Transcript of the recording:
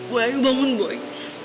buat aku bangun boy